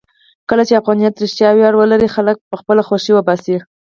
کله چې افغانیت رښتیا ویاړ ولري، خلک به خپله خوښۍ وباسي.